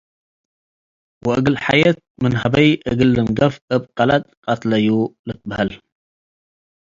ወእግል ሐየት ምን ሀበይ እግል ልንገፍ እብ ቀልጥ ቀትለዩ፡ ልትበሀል።